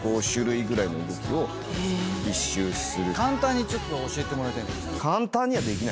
簡単にちょっと教えてもらいたい。